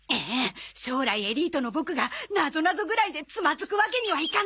将来エリートのボクがなぞなぞぐらいでつまずくわけにはいかない！